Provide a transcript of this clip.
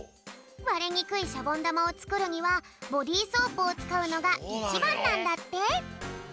われにくいシャボンだまをつくるにはボディソープをつかうのがいちばんなんだって。